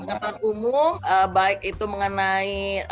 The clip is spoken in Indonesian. pengetatan umum baik itu mengenai